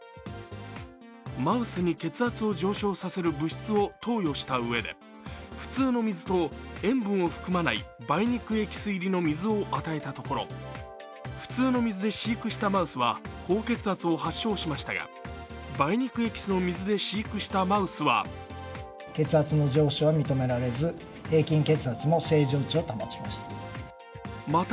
マウスに血圧を上昇させる物質を投与したうえで普通の水と塩分を含まない梅肉エキス入りの水を与えたところ普通の水で飼育したマウスは高血圧を発症しましたが、梅肉エキスの水で飼育したマウスは血圧の上昇は認められず、平均血圧も平均値を保ちました。